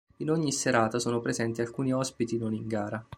In ogni serata sono presenti alcuni ospiti non in gara.